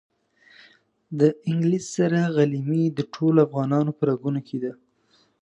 د انګلیس سره غلیمي د ټولو افغانانو په رګونو کې ده.